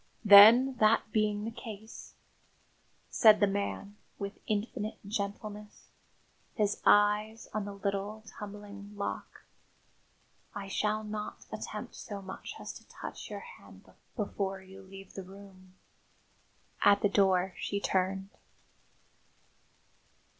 "Then, that being the case," said the man, with infinite gentleness, his eyes on the little, tumbling lock, "I shall not attempt so much as to touch your hand before you leave the room." At the door she turned.